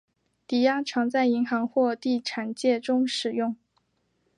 抵押常在银行或地产界中使用。